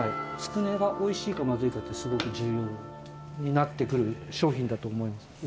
つくねがおいしいかまずいかって、すごく重要になってくる商品だと思います。